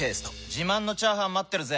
自慢のチャーハン待ってるぜ！